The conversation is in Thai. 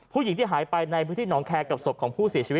ผู้หญิงที่หายไปในพื้นที่หนองแคร์กับศพของผู้เสียชีวิต